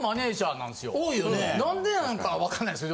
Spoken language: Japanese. なんでなんかは分かんないですよ。